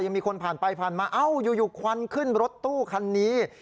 ยังมีคนผ่านมาเอ้าอยู่ควันขึ้นรถตู้คันนี้